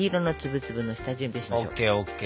ＯＫＯＫ。